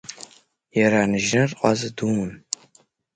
Иара ныџьныр ҟаза дуун.